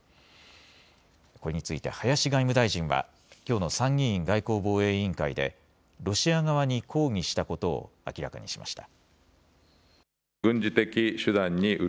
これについて林外務大臣はきょうの参議院外交防衛委員会でロシア側に抗議したことを明らかにしました。